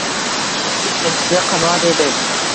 ikkinchisi qanoat edi.